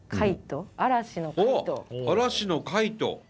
嵐の「カイト」。